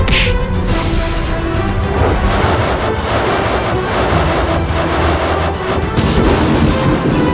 tidak untuk bertarung menghadapiku